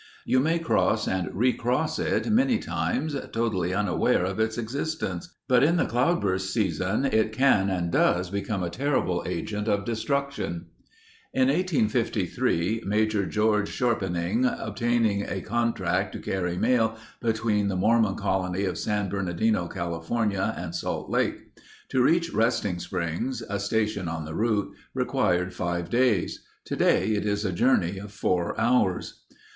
You may cross and re cross it many times totally unaware of its existence, but in the cloudburst season it can and does become a terrible agent of destruction. In 1853 Major George Chorpenning obtained a contract to carry mail between the Mormon colony of San Bernardino, California, and Salt Lake. To reach Resting Springs, a station on the route, required five days. Today it is a journey of four hours.